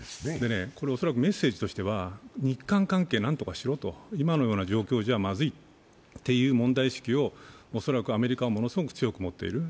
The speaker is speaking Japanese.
これ恐らくメッセージとしては日韓関係を何とかしろと、今のような状況じゃまずいというような問題意識を恐らくアメリカはものすごく強く持っている。